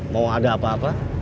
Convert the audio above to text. mau ada apa apa